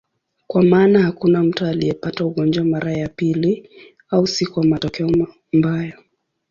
Kwa maana hakuna mtu aliyepata ugonjwa mara ya pili, au si kwa matokeo mbaya.